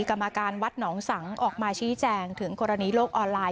กรรมการวัดหนองสังออกมาชี้แจงถึงกรณีโลกออนไลน